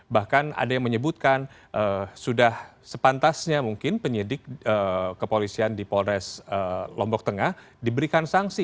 bahkan ada yang menyebutkan sudah sepantasnya mungkin penyidik kepolisian di polres lombok tengah diberikan sanksi